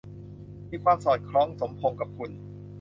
มีความสอดคล้องสมพงศ์กับคุณ